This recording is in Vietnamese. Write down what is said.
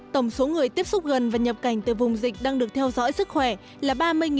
tổng số người tiếp xúc gần và nhập cảnh từ vùng dịch đang được theo dõi sức khỏe là ba mươi năm trăm một mươi bảy